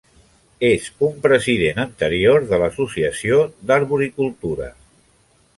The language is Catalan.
És un president anterior de l"Associació d"arboricultura.